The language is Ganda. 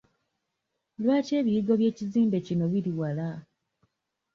Lwaki ebiyigo by'ekizimbe kino biri wala?